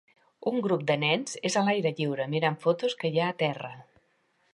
Un grup de nens és a l'aire lliure mirant fotos que hi ha a terra